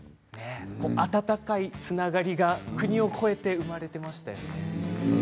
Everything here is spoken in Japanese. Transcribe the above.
温かいつながりが国を越えて生まれていましたね。